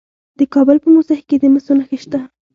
د کابل په موسهي کې د مسو نښې شته.